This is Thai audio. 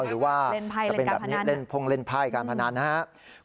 หรือว่าจะเป็นแบบนี้พงเล่นภายการพนันนะฮะ